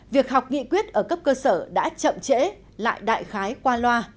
việc học nghị quyết ở cấp cơ sở đã chậm trễ lại đại khái qua loa